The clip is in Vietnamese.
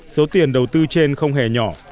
số tiền đầu tư trên không hề nhỏ